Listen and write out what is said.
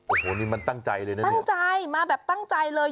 โอ้โหนี่มันตั้งใจเลยนะตั้งใจมาแบบตั้งใจเลย